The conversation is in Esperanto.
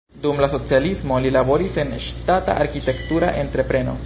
Dum la socialismo li laboris en ŝtata arkitektura entrepreno.